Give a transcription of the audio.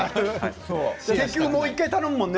結局もう１回頼むもんね。